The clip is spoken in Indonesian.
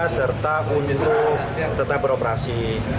serta untuk tetap beroperasi